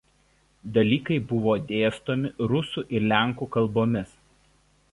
Dalykai buvo dėstomi rusų ir lenkų kalbomis.